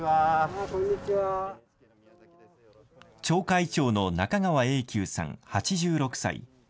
町会長の中川榮久さん、８６歳。